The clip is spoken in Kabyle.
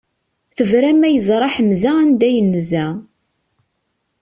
Tebra ma yeẓra Ḥemza anda yenza!